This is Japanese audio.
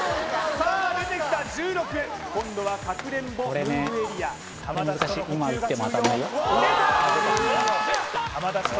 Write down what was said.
さあ出てきた１６今度はかくれんぼムーブエリア抜けた！